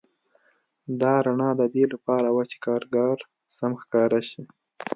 دا رڼا د دې لپاره وه چې کارګر سم ښکاره شي